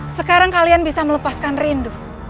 sekarang kalian bisa melepaskan rindu